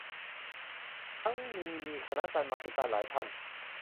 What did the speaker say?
ทั้งมีนีคณะกรรมาธิการหลายท่าน